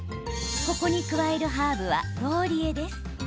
ここに加えるハーブはローリエです。